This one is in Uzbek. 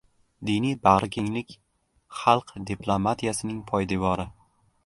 Diniy bag‘rikenglik – xalq diplomatiyasining poydevori